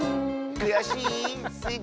くやしい。